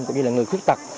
cũng như là người khuyết tặc